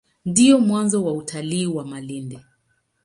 Ndio mwanzo wa utalii wa Malindi.